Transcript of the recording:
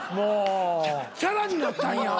チャラになったんや。